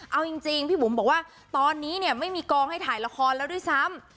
เอาจริงพี่บุ๋มบอกว่าตอนนี้เนี่ยไม่มีกองให้ถ่ายละครแล้วด้วยซ้ำ